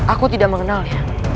aku tidak mengenalnya